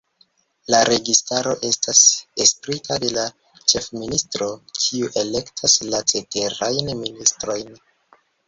La registaro estas estrita de la Ĉefministro, kiu elektas la ceterajn ministrojn.